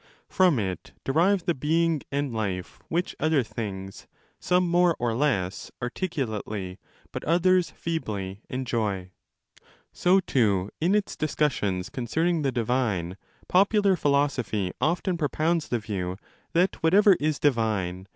From it derive the being and life which other things, some more or less articulately but others feebly, enjoy. So, too, in its discussions concerning the divine, popular philosophy? often propounds the view that whatever is 1 i.e.